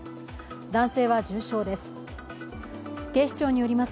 男性は重傷です。